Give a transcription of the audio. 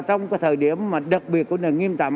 trong cái thời điểm đặc biệt của người nghiêm tạm